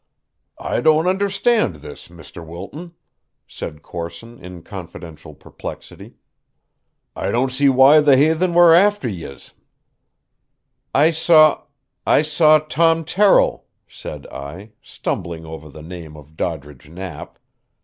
"I don't understand this, Mr. Wilton," said Corson in confidential perplexity. "I don't see why the haythen were after yez." "I saw I saw Tom Terrill," said I, stumbling over the name of Doddridge Knapp.